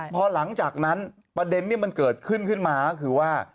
พอหลังจากนั้นประเด็นที่มันเกิดขึ้นขึ้นมาก็คือว่า